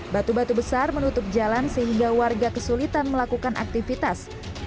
batu batu besar menutup jalan sehingga warga kesulitan melakukan aktivitas